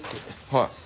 はい。